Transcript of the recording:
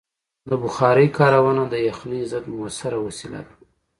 د بخارۍ کارونه د یخنۍ ضد مؤثره وسیله ده.